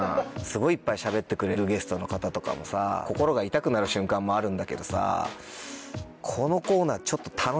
すごいいっぱい喋ってくれるゲストの方とかもさ心が痛くなる瞬間もあるんだけどさ。